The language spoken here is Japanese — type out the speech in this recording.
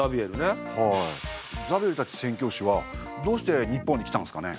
ザビエルたち宣教師はどうして日本に来たんすかね？